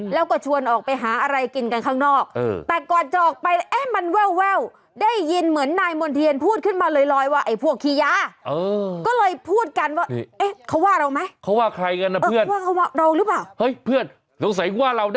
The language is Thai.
แล้วก็ชวนออกไปหาอะไรกินกันข้างนอกเออแต่กอเจาะไปเอ๊ะ